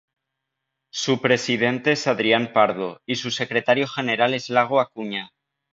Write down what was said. Su presidente es Adrián Pardo y su secretario general es Iago Acuña.